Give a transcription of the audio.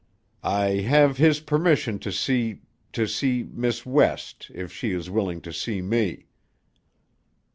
"I have his permission to see to see Miss West, if she is willing to see me."